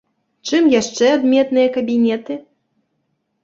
Чым яшчэ адметныя кабінеты?